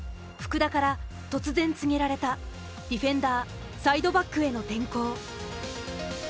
福田から突然告げられたディフェンダーサイドバックへの転向。